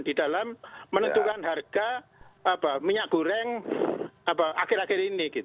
di dalam menentukan harga minyak goreng akhir akhir ini